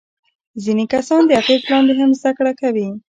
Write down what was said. ځینې کسان د اغیز لاندې هم زده کړه کوي.